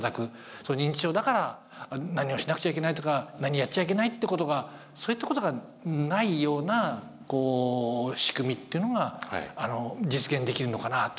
認知症だから何をしなくちゃいけないとか何やっちゃいけないってことがそういったことがないようなこう仕組みっていうのが実現できるのかなあというふうなことが期待。